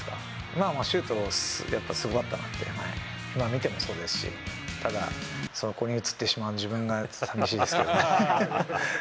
まあまあ、シュート、やっぱすごかったなって、今見てもそうですし、ただ、そこに映ってしまう自分が寂しいですけどね。